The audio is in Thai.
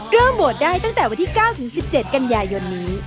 เริ่มโหวตได้ตั้งแต่วันที่๙ถึง๑๗กันยายนนี้